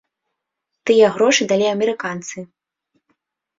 Тыя грошы далі амерыканцы.